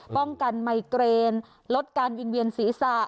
ป้องกันไมเกรนลดการยิงเวียนศีรษะ